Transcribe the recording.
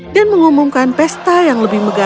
dan mengumumkan pesta yang lebih mahal